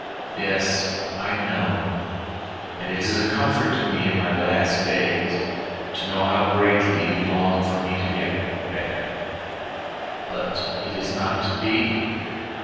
"Yes, I know, and it is a comfort to me in my last days to know how greatly you long for me to get better, but it is not to be.